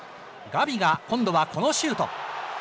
ガビが今度はこのシュート。